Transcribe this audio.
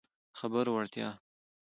د خبرو وړتیا